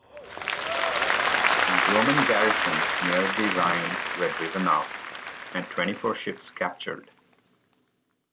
The Roman garrisons near the Rhine were driven out, and twenty-four ships captured.